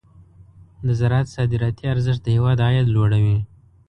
د زراعت صادراتي ارزښت د هېواد عاید لوړوي.